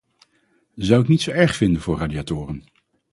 Zou ik niet zo erg vinden voor radiatoren.